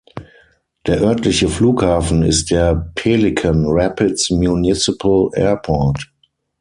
Der örtliche Flughafen ist der Pelican Rapids Municipal Airport.